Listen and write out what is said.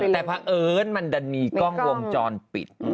แต่เพราะเอิญมันดันมีกล้องวงจรปิด